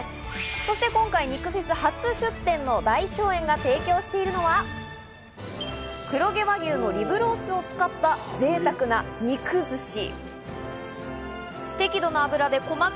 そして今回、肉フェス初出店の太翔園が提供しているのは、黒毛和牛のリブロースを使った贅沢な肉寿司。